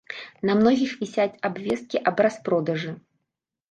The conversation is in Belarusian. На многіх вісяць абвесткі аб распродажы.